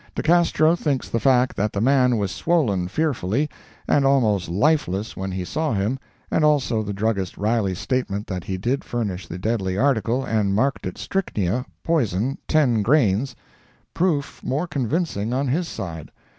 De Castro thinks the fact that the man was swollen fearfully, and almost lifeless when he saw him, and also the druggist Riley's statement that he did furnish the deadly article, and marked it "strychnia—poison, ten grains," proof more convincing on his side.